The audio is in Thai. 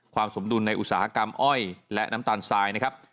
สมดุลในอุตสาหกรรมอ้อยและน้ำตาลทรายนะครับ